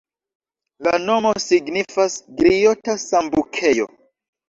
La nomo signifas griota-sambukejo.